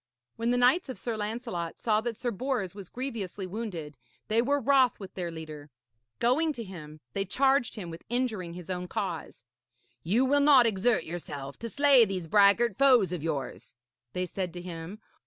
When the knights of Sir Lancelot saw that Sir Bors was grievously wounded, they were wroth with their leader. Going to him, they charged him with injuring his own cause. 'You will not exert yourself to slay these braggart foes of yours,' they said to him.